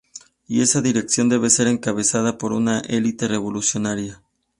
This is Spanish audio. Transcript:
Y esa dirección debe ser encabezada por una elite revolucionaria.